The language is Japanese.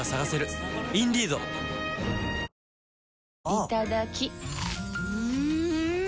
いただきっ！